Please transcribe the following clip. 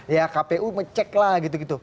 ya kpu ngecek lah gitu gitu